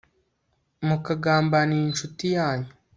mukagambanira incuti yanyu